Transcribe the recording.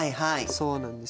そうなんです。